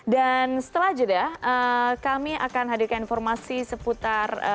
dan setelah jodoh kami akan hadirkan informasi seputar